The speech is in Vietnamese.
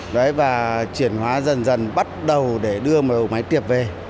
đấy và chuyển hóa dần dần bắt đầu để đưa một đầu máy tiếp về